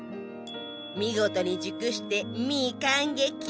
見事に熟してミー感激。